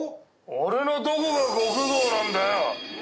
俺のどこがごくどうなんだよ！？